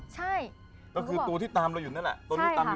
ก็คือตัวที่ตามเราอยู่นั่นแหละ